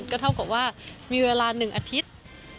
ก็เท่ากับว่ามีเวลา๑อาทิตย์